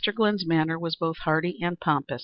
Glynn's manner was both hearty and pompous.